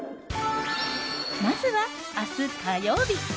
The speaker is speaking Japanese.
まずは明日、火曜日。